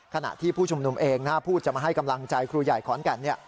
ขณะที่ผู้ชุมนุมเองพูดจะมาให้กำลังใจครูใหญ่ขอนแก่น